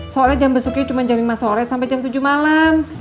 soalnya jam besukinya cuma jam lima sore sampai jam tujuh malam